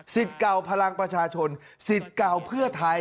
เก่าพลังประชาชนสิทธิ์เก่าเพื่อไทย